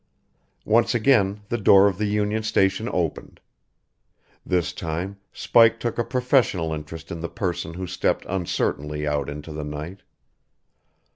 Once again the door of the Union Station opened. This time Spike took a professional interest in the person who stepped uncertainly out into the night.